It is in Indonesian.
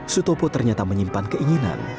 sutopo ternyata menyimpan keinginan